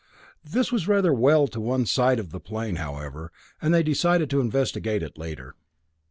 This was rather well to one side of the plain, however, and they decided to investigate it later.